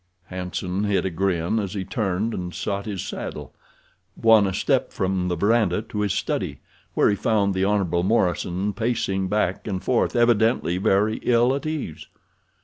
Hanson hid a grin as he turned and sought his saddle. Bwana stepped from the verandah to his study, where he found the Hon. Morison pacing back and forth, evidently very ill at ease.